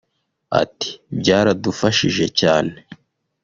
Ati “Baradufashije cyane